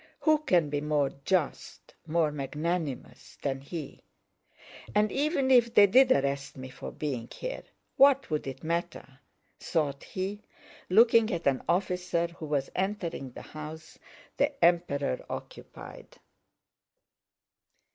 Who can be more just, more magnanimous than he? And even if they did arrest me for being here, what would it matter?" thought he, looking at an officer who was entering the house the Emperor occupied.